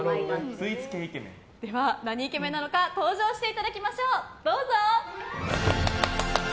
では、何イケメンなのか登場していただきましょう。